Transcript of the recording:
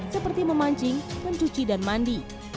seperti memancing mencuci dan mandi